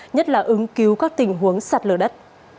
nhất là ứng cứu các tình huống sạt lở đất